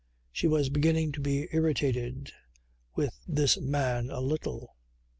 She was beginning to be irritated with this man a little.